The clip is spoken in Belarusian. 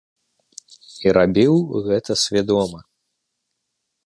І рабіў гэта свядома.